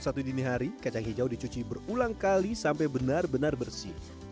sehari hari kacang hijau dicuci berulang kali sampai benar benar bersih